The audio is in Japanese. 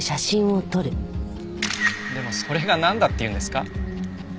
でもそれがなんだっていうんですか？